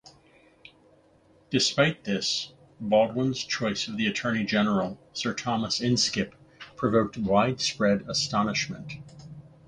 Despite this, Baldwin's choice of the Attorney General Sir Thomas Inskip provoked widespread astonishment.